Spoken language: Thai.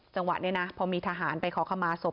จังหวะนี้นะพอมีทหารไปขอขมาศพ